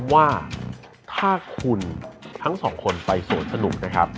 ว่าถ้าคุณทั้งสองคนไปสวนสนุกนะครับ